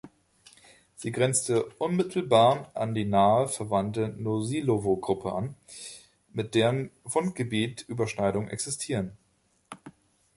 Sie grenzte unmittelbar an die nahe verwandte Nosilowo-Gruppe an, mit deren Fundgebiet Überschneidungen existieren.